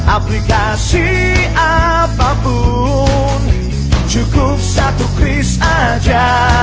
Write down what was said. aplikasi apapun cukup satu kris aja